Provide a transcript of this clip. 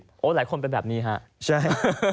หลายคนเป็นแบบนี้ฮะใช่